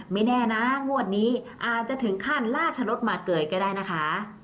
ไม่แน่นะงวดนี้อาจจะถึงขั้นล่าชะลดมาเกยก็ได้นะคะ